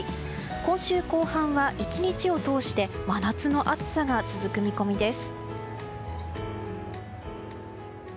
今週後半は１日を通して真夏の暑さが続く見込みです。